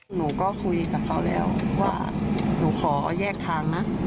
หนูก็คุยกับเขาแล้วว่าหนูขอแยกทางนะ